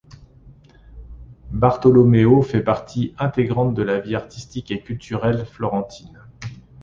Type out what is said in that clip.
Bartolomeo fait partie intégrante de la vie artistique et culturelle florentine.